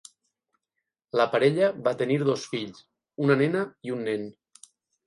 La parella va tenir dos fills, una nena i un nen.